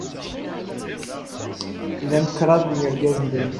Llan kraḍ n yergazen din.